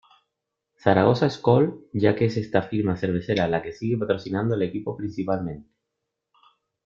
Zaragoza-Skol, ya que es esta firma cervecera la que sigue patrocinando al equipo principalmente.